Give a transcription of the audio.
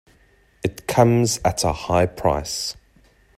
It comes at a high price.